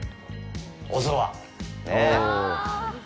おそば、ねえ。